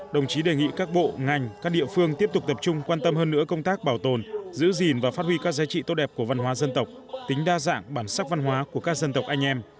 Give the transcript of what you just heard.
đồng chí đề nghị các bộ ngành các địa phương tiếp tục tập trung quan tâm hơn nữa công tác bảo tồn giữ gìn và phát huy các giá trị tốt đẹp của văn hóa dân tộc tính đa dạng bản sắc văn hóa của các dân tộc anh em